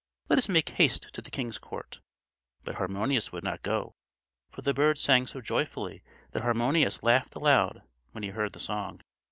"Let us make haste to the king's court!" But Harmonius would not go, for the bird sang so joyfully that Harmonius laughed aloud when he heard the song.